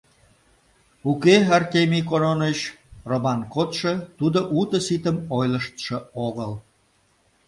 — Уке, Артемий Кононыч, Роман кодшо, тудо уто-ситым ойлыштшо огыл.